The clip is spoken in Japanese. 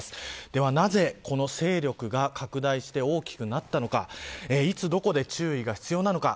では、なぜこの勢力が拡大して大きくなったのかいつどこで注意が必要なのか。